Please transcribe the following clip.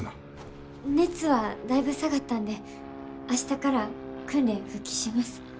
熱はだいぶ下がったんで明日から訓練復帰します。